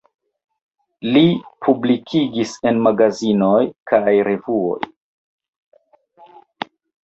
Li publikigis en magazinoj kaj revuoj.